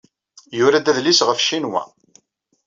Yura-d adlis ɣef Ccinwa.